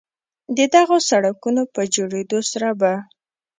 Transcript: د دغو سړکونو په جوړېدو سره به